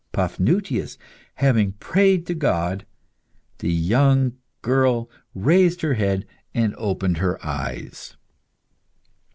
Paphnutius having prayed to God, the young girl raised her head and opened her eyes.